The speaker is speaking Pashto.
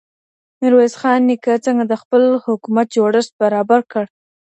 ميرويس خان نيکه څنګه د خپل حکومت جوړښت برابر کړ؟